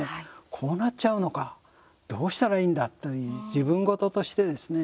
こうなっちゃうのかどうしたらいいんだって自分事としてですね